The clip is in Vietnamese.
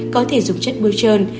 có thể dùng chất bôi chân